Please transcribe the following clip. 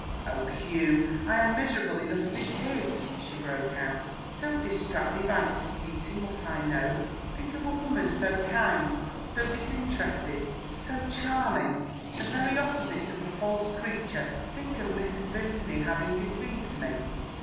"Oh, Hugh, I am miserable enough as it is," she broke out; "don't distract me by disputing what I know! Think of a woman so kind, so disinterested, so charming the very opposite of a false creature think of Mrs. Vimpany having deceived me!"